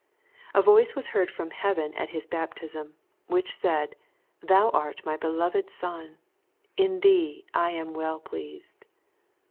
A voice was heard from heaven at His baptism, " which said. Thou art my beloved Son ; in thee I am well pleased."